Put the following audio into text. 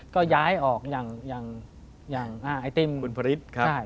ก็ย้ายออกอย่างไอติมคุณภริษครับ